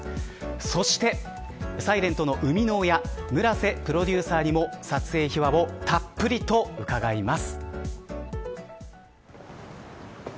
そしてｓｉｌｅｎｔの生みの親村瀬プロデューサーにも撮影秘話をたっぷりと伺います。